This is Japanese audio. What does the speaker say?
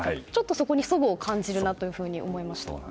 そこに齟齬を感じるなと思いました。